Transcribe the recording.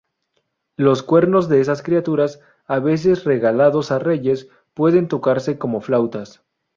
Los cuernos de esas criaturas, a veces regalados a reyes, pueden tocarse como flautas.